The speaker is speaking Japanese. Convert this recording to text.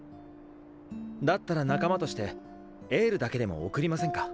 だったら仲間としてエールだけでも送りませんか？